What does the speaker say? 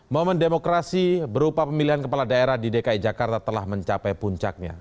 momen demokrasi berupa pemilihan kepala daerah di dki jakarta telah mencapai puncaknya